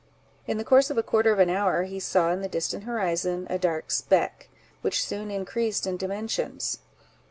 In the course of a quarter of an hour, he saw, in the distant horizon, a dark speck, which soon increased in dimensions.